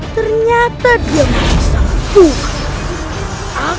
ternyata dia mengisahkan tuhan